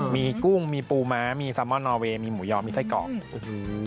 มีกุ้งมีปูม้ามีซัมม่อนนอเวย์มีหมูยอมมีไส้เกาะ